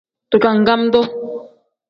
Digangam-duu.